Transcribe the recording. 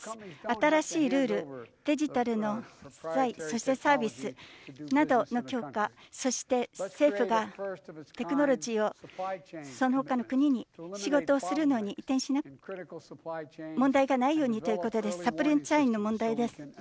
新しいルール、デジタルのサービスなどの強化、そして政府がテクノロジーをその他の国に仕事をするのに問題がないようにということでサプライチェーンの問題です。